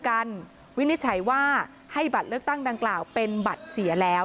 วินิจฉัยว่าให้บัตรเลือกตั้งดังกล่าวเป็นบัตรเสียแล้ว